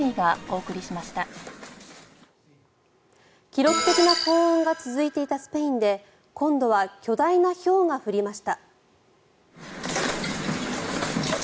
記録的な高温が続いていたスペインで今度は巨大なひょうが降りました。